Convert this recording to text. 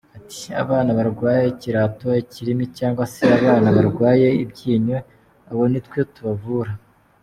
Ati “Abana barwaye ikirato, ikirimi cyangwa se abana barwaye ibyinyo, abo nitwe tubavura.